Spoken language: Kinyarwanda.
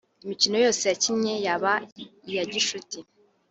“Imikino yose yakinnye yaba iya gicuti